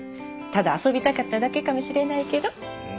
ただ遊びたかっただけかもしれないけど。